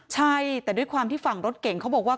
ใช่แต่ด้วยความที่ฝั่งรถเก่งเขาบอกว่า